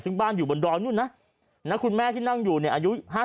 ซึ่งบ้านอยู่บนดอยนู่นนะคุณแม่ที่นั่งอยู่เนี่ยอายุ๕๐